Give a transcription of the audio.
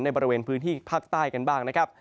บริเวณพื้นที่ภาคใต้กันบ้างนะครับ